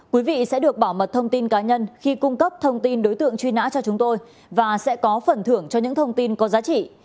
quý vị sẽ được bảo mật thông tin cá nhân khi cung cấp thông tin đối tượng truy nã cho chúng tôi và sẽ có phần thưởng cho những thông tin có giá trị